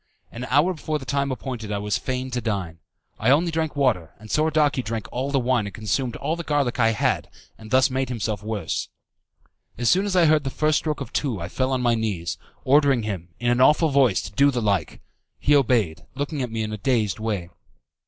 An hour before the time appointed I was fain to dine. I only drank water, and Soradaci drank all the wine and consumed all the garlic I had, and thus made himself worse. As soon as I heard the first stroke of two I fell on my knees, ordering him, in an awful voice, to do the like. He obeyed, looking at me in a dazed way.